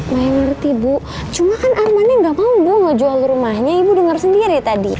maya ngerti bu cuma kan arman yang gak mau gue ngejual rumahnya ibu denger sendiri tadi